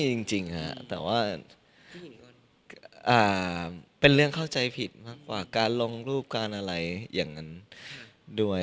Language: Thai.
จริงฮะแต่ว่าเป็นเรื่องเข้าใจผิดมากกว่าการลงรูปการอะไรอย่างนั้นด้วย